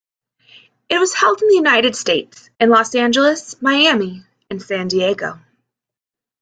It was held in the United States, in Los Angeles, Miami, and San Diego.